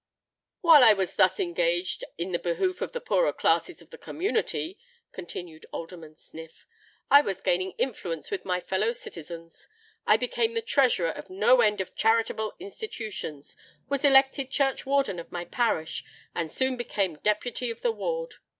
"While I was thus engaged in the behoof of the poorer classes of the community," continued Alderman Sniff, "I was gaining influence with my fellow citizens. I became the Treasurer of no end of charitable institutions, was elected Churchwarden of my parish, and soon became Deputy of the Ward.